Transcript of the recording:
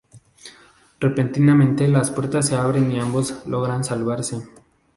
Repentinamente las puertas se abren y ambos logran salvarse.